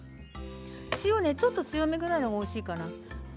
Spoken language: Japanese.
塩はちょっと強めぐらいがおいしいかな。